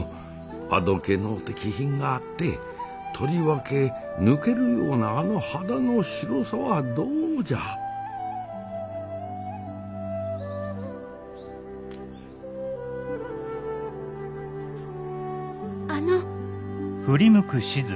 あどけのうて気品があってとりわけ抜けるようなあの肌の白さはどうじゃあの。